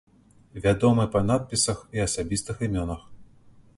Вядомы па надпісах і асабістых імёнах.